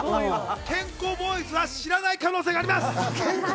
健康ボーイズは知らない可能性があります。